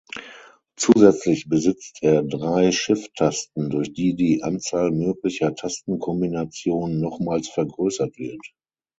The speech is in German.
Zusätzlich besitzt er drei Shift-Tasten, durch die die Anzahl möglicher Tastenkombinationen nochmals vergrößert wird.